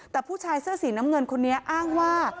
แต่ผู้ชายเสื้อสีน้ำเงินคนนี้อ้างว่า